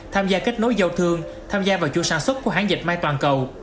tham gia kết nối giao thương tham gia vào chua sản xuất của hãng dịch may toàn cầu